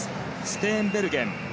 ステーンベルゲン。